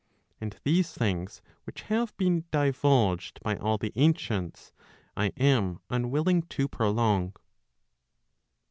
And these things which have been divulged by all the ancients, I am unwilling to prolong.